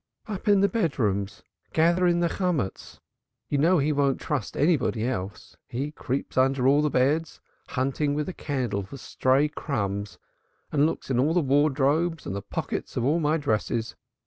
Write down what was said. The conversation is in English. "Up in the bedrooms, gathering the Chomutz. You know he won't trust anybody else. He creeps under all the beds, hunting with a candle for stray crumbs, and looks in all the wardrobes and the pockets of all my dresses.